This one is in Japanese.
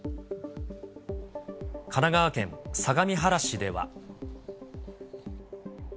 神奈川県相模原市では。